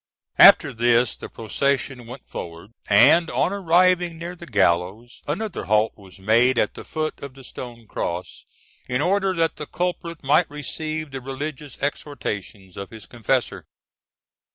After this the procession went forward, and on arriving near the gallows, another halt was made at the foot of a stone cross, in order that the culprit might receive the religions exhortations of his confessor.